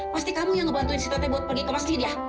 pasti kamu yang ngebantuin si teteh buat pergi kemasin ya